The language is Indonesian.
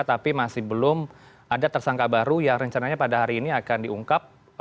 tapi masih belum ada tersangka baru yang rencananya pada hari ini akan diungkap